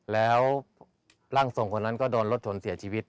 แล้วร่างทรงคนนั้นก็โดนรถชนเสียชีวิต